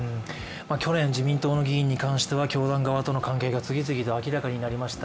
去年自民党の議員に関しては教団との関係が次々と明らかになりました。